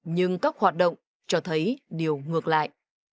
nhưng các hoạt động cho thấy điều ngược lại